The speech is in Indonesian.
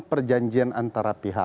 perjanjian antara pihak